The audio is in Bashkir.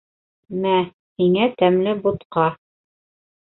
Мә, һиңә тәмле бутҡа!